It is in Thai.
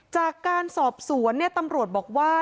จากการสอบสวนตำรวจบอกว่า